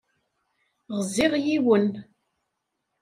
Ɣziɣ yiwen.